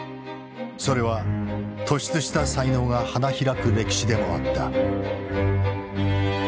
それは突出した才能が花開く歴史でもあった。